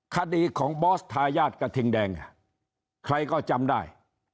คดีของบอสทายาทกระทิงแดงใครก็จำได้